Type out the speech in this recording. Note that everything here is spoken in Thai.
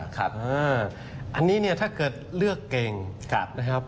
ครับอันนี้เนี่ยถ้าเกิดเลือกเก่งนะครับ